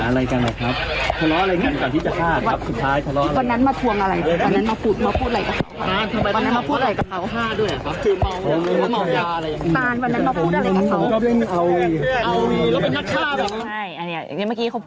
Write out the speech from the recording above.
แม่มันละออกกับพวกเขา